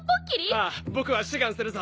ああ僕は志願するぞ。